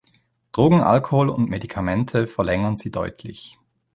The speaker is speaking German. Drogen, Alkohol und Medikamente verlängern sie deutlich.